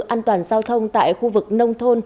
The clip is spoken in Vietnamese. an toàn giao thông tại khu vực nông thôn